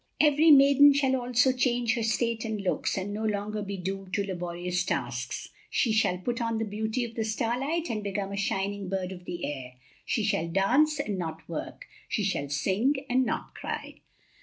Every maiden shall also change her state and looks, and no longer be doomed to laborious tasks. She shall put on the beauty of the star light and become a shining bird of the air. She shall dance and not work. She shall sing, and not cry.